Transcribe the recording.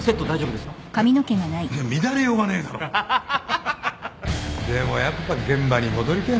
でもやっぱ現場に戻りてえな。